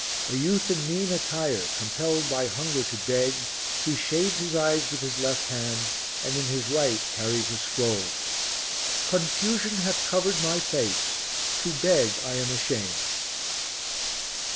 A youth in mean attire, compelled by hunger to beg, he shades his eyes with his left hand and in his right carries a scroll: "Confusion hath covered my face. To beg I am ashamed."